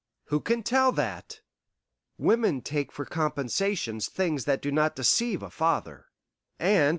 "Who can tell that? Women take for compensations things that do not deceive a father.